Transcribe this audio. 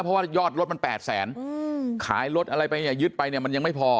เพราะว่ายอดรถมัน๘แสนขายรถอะไรไปเนี่ยยึดไปเนี่ยมันยังไม่พอ